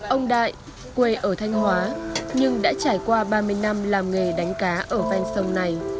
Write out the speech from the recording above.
ông đại quê ở thanh hóa nhưng đã trải qua ba mươi năm làm nghề đánh cá ở ven sông này